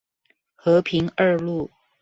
和平二路